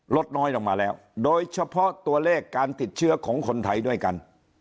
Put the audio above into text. ลดน้อยลงมาแล้วโดยเฉพาะตัวเลขการติดเชื้อของคนไทยด้วยกัน